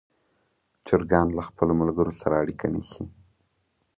چرګان له خپلو ملګرو سره اړیکه نیسي.